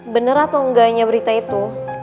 benar atau enggaknya berita itu